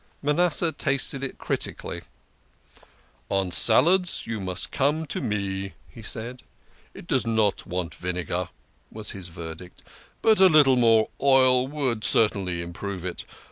Manasseh tasted it critically. " On salads you must come to me," he said. " It does not want vinegar," was his ver dict ;" but a little more oil would certainly improve it.